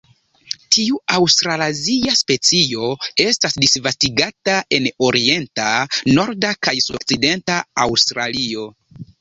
Tiu aŭstralazia specio estas disvastigata en orienta, norda kaj sudokcidenta Aŭstralio.